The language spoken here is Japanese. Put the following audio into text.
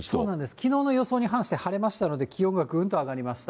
きのうの予想に反して晴れましたので、気温がぐんと上がりました。